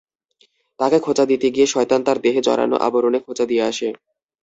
তাঁকে খোঁচা দিতে গিয়ে শয়তান তার দেহে জড়ানো আবরণে খোঁচা দিয়ে আসে।